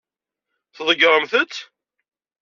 Tḍeggṛemt-t?